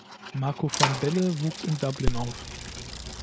Marco van Belle wuchs in Dublin auf.